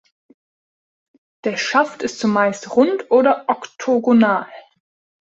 Der Schaft ist zumeist rund oder oktogonal.